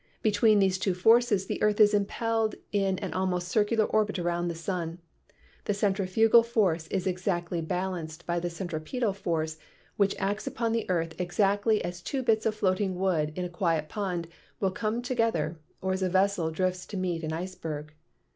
Between these two forces the earth is impelled in an almost circular orbit around the sun — the centrifugal THE PROPERTIES OF MATTER 29 force is exactly balanced by the centripetal force which acts upon the earth exactly as two bits of floating wood in a quiet pond will come together or as a vessel drifts to meet an iceberg.